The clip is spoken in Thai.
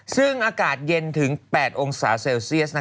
ซึ่งอากาศเย็นถึง๘องศาเซลเซียส